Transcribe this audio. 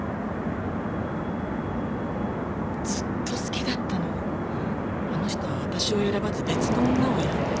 ずっと好きだったのにあの人は私を選ばず別の女を選んだ。